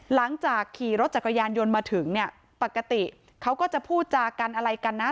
หลังจากขี่รถจักรยานยนต์มาถึงเนี่ยปกติเขาก็จะพูดจากันอะไรกันนะ